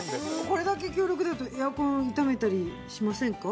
これだけ強力だとエアコンを傷めたりしませんか？